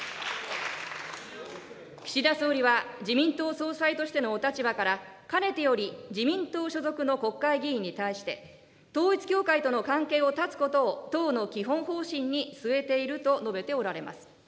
岸田総理は自民党総裁としてのお立場からかねてより自民党所属の国会議員に対して、統一教会との関係を断つことを党の基本方針に据えていると述べておられます。